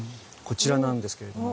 こちらなんですけれども。